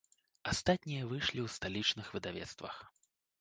Астатнія выйшлі ў сталічных выдавецтвах.